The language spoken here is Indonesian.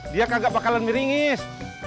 dia gak bakalan miringin